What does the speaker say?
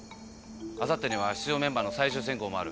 あさってには出場メンバーの最終選考もある。